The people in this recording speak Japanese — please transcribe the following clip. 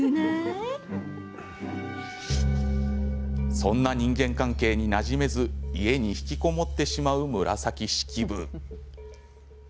そんな人間関係になじめず家に引きこもってしまう紫式部。